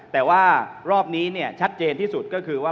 แต่ว่ารอบนี้ชัดเจนที่สุดก็คือว่า